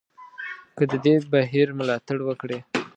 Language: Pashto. که د دې بهیر ملاتړ وکړي.